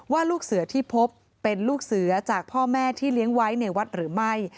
ลูกเสือที่พบเป็นลูกเสือจากพ่อแม่ที่เลี้ยงไว้ในวัดหรือไม่